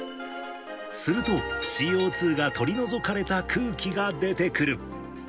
すると、ＣＯ２が取り除かれた空気が出てくる。